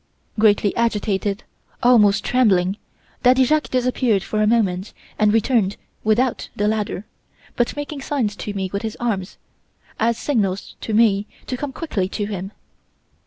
"Greatly agitated, almost trembling, Daddy Jacques disappeared for a moment and returned without the ladder, but making signs to me with his arms, as signals to me to come quickly to him.